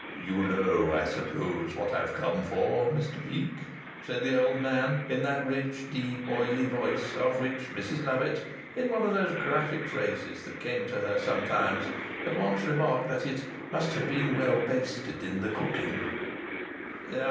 "You know, I suppose, what I've come for, Mr Peake," said the old man, in that rich, deep, oily voice of which Mrs Lovatt, in one of those graphic phrases that came to her sometimes, had once remarked that it must have been "well basted in the cooking."